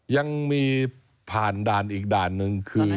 ยังมีผ่านด่านอีกด่านหนึ่งคือ